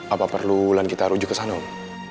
apa perlu wulan kita rujuk ke sana om